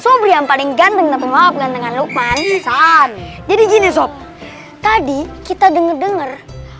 sobrang paling ganteng dan pemaafkan dengan lukman jadi gini sob tadi kita denger dengar